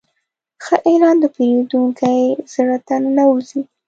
ښه اعلان د پیرودونکي زړه ته ننوځي.